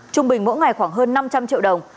trung bình mỗi ngày khoảng hơn năm trăm linh triệu đồng